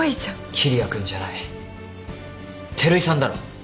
桐矢君じゃない照井さんだろ。